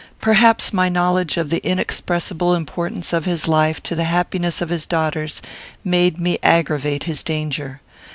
Perhaps my knowledge of the inexpressible importance of his life to the happiness of his daughters made me aggravate his danger.